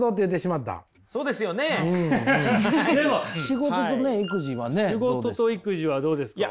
仕事とね育児はねどうですか？